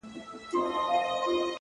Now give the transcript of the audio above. • په ماښام وو په هګیو نازولی ,